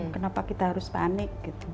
kenapa kita harus panik